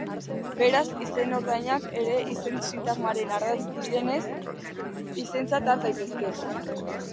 Beraz, izenordainak ere izen-sintagmaren ardatz direnez, izentzat har daitezke.